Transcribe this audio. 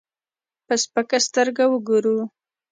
په سپکه سترګه وګورو.